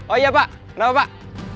oh iya pak kenapa pak